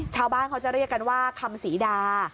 ชาวบ้านเขาจะเรียกกันว่าคำศรีดา